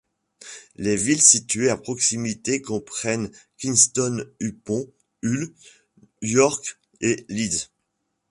Les villes situées à proximité comprennent Kingston-upon-Hull, York et Leeds.